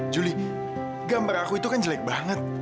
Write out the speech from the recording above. juli gambar aku itu kan jelek banget